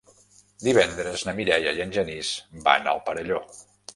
Divendres na Mireia i en Genís van al Perelló.